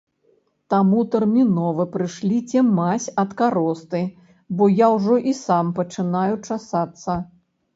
Таму тэрмінова прышліце мазь ад каросты, бо я ўжо і сам пачынаю часацца.